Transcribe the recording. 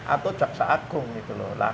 atau jaksa agung gitu loh